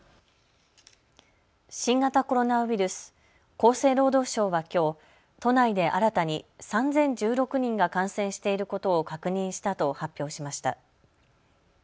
新型コロナウイルス、厚生労働省はきょう都内で新たに３０１６人が感染していることを確認したと発表しました。